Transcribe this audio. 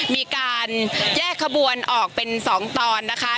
มีการแยกขบวนออกเป็น๒ตอนนะคะ